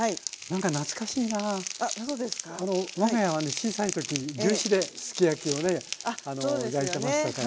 小さい時牛脂ですき焼きをね焼いてましたから。